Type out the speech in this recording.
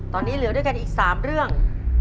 ตอนนี้เหลือด้วยกันอีก๓เรื่อง